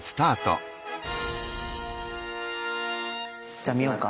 じゃあ見ようか。